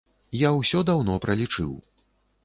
Я ўсё даўно пралічыў.